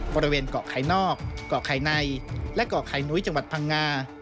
บริเวณเกาะไข่นอกเกาะไข่ในและเกาะไข่นุ้ยจังหวัดพังงา